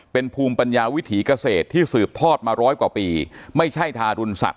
เป็นภูมิปัญญาวิถีเกษตรที่สืบทอดมาร้อยกว่าปีไม่ใช่ทารุณสัตว